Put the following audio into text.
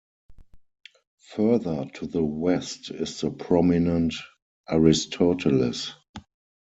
Further to the west is the prominent Aristoteles.